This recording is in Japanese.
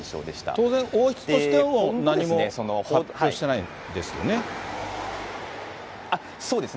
当然、王室としても何も発表してないですよね？